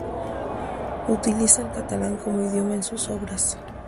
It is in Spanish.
Utiliza el catalán como idioma en sus obras.